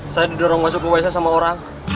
saya didorong masuk ke wc sama orang